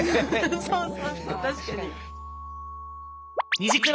そうそうそう確かに。